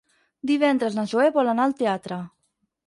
Divendres na Zoè vol anar al teatre.